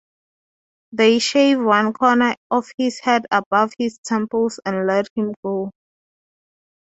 They shave one corner of his head above his temples and let him go.